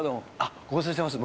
ご無沙汰してます。